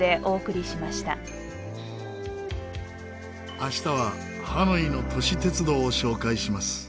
明日はハノイの都市鉄道を紹介します。